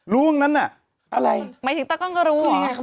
รู้พวกนั้นน่ะอะไรหมายถึงต้องก็รู้เหรอ